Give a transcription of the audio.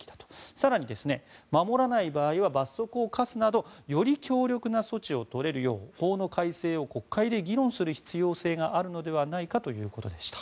更に、守らない場合は罰則を科すなどより強力な措置を取れるよう法の改正を国会で議論する必要性があるのではということでした。